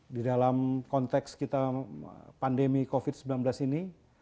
di dalam konteks kita pandemi covid sembilan belas ini